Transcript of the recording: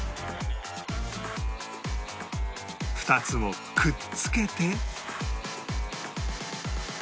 ２つをくっつけて